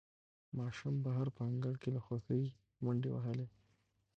ماشوم بهر په انګړ کې له خوښۍ منډې وهلې